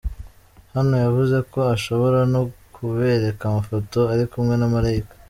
Hano yavuze ko ashobora no kubereka amafoto ari kumwe na Malayika.